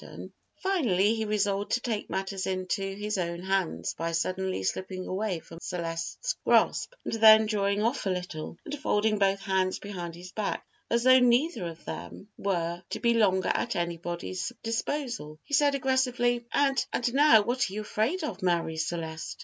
[Illustration: 0129] Finally he resolved to take matters into his own hands by suddenly slipping away from Marie Celeste's grasp; and then drawing off a little, and folding both hands behind his back, as though neither of them were to be longer at anybody's disposal, he said aggressively: "And and now what are you afraid of, Marie Celeste?